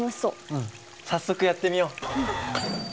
うん早速やってみよう。